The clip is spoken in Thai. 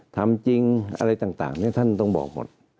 ทำจริงอะไรต่างท่านต้องบอกหมด